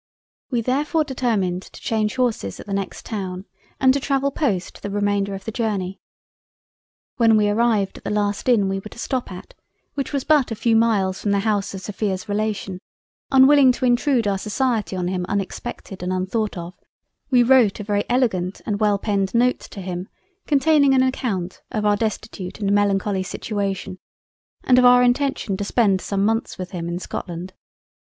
We therefore determined to change Horses at the next Town and to travel Post the remainder of the Journey—. When we arrived at the last Inn we were to stop at, which was but a few miles from the House of Sophia's Relation, unwilling to intrude our Society on him unexpected and unthought of, we wrote a very elegant and well penned Note to him containing an account of our Destitute and melancholy Situation, and of our intention to spend some months with him in Scotland.